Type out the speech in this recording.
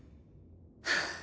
ハァ。